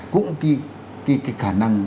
cũng cái khả năng